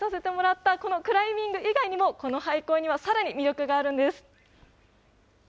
きょう、体験させてもらったこのクライミング以外にも、この廃校にはさらに魅力があるんです。